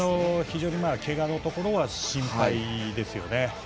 非常にけがのところは心配ですよね。